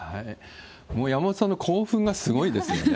もう山本さんの興奮がすごいですよね。